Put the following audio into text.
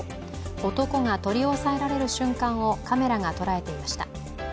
男が取り押さえられる瞬間をカメラが捉えていました。